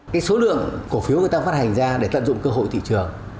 cái số lượng cổ phiếu người ta phát hành ra để tận dụng cơ hội thị trường